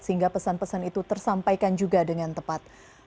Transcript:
sehingga pesan pesan itu tersampaikan juga dengan tepat